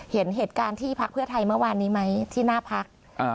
เห็นเหตุการณ์ที่พักเพื่อไทยเมื่อวานนี้ไหมที่หน้าพัก